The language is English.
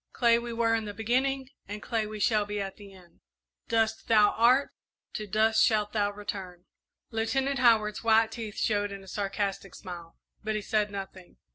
"Clay we were in the beginning and clay we shall be at the end. 'Dust thou art; to dust shalt thou return.'" Lieutenant Howard's white teeth showed in a sarcastic smile, but he said nothing.